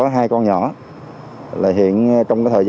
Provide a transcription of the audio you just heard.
anh hai đâu cho mẹ nói chuyện với anh hai với